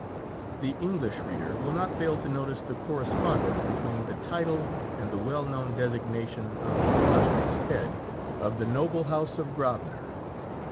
The English reader will not fail to notice the correspondence between the title and the well known designation of the illustrious head of the noble house of Grosvenor.